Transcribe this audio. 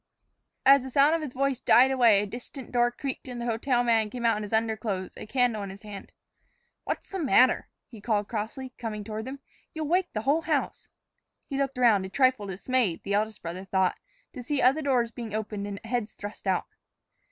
As the sound of his voice died away, a distant door creaked and the hotel man came out in his underclothes, a candle in his hand. "What's the matter?" he called crossly, coming toward them. "You'll wake the whole house." He looked around, a trifle dismayed, the eldest brother thought, to see other doors being opened and heads thrust out.